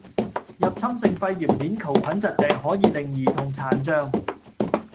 入侵性肺炎鏈球菌疾病可以令兒童殘障